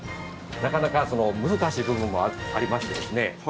なかなか難しい部分もありましてですね。